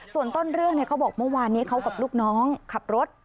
ส่วนต้นเรื่องเขาบอกเมื่อวานนี้เขากับลูกน้องขับรถ